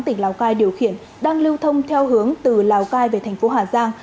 tỉnh lào cai điều khiển đang lưu thông theo hướng từ lào cai về thành phố hà giang